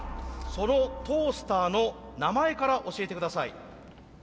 そのトースターの名前から教えて下さい。